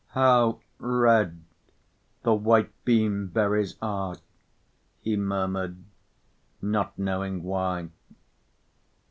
"How red the whitebeam berries are!" he murmured, not knowing why.